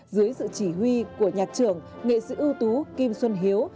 dưới sự chỉ huy của nhạc trưởng nghệ sĩ ưu tú kim xuân hiếu